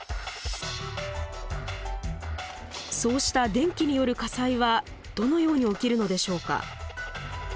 そうした電気による火災はどのように起きるのでしょうか？